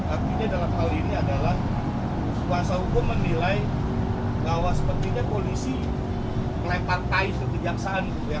artinya dalam hal ini adalah kuasa hukum menilai bahwa sepertinya polisiitari otraif k relepar kais gitu